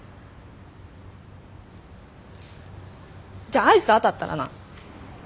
じゃあアイス当たったらな。